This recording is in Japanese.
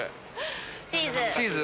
チーズ。